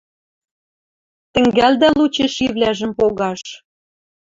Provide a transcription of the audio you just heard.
Тӹнгӓлдӓ лучишийвлӓжӹм погаш...»